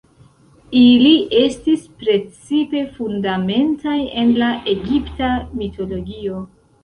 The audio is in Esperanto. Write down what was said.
Ili estis precipe fundamentaj en la egipta mitologio.